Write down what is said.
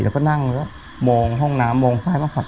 เราก็นั่งแล้วมองห้องน้ำมองซ้ายมาขวัด